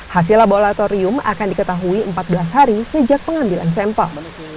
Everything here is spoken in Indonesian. hasil laboratorium akan diketahui empat belas hari sejak pengambilan sampel